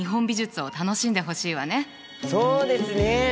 そうですね。